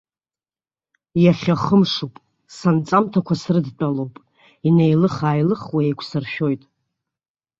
Иахьа хымшуп, санҵамҭақәа срыдтәалоуп, инеилых-ааилыхуа еиқәсыршәоит.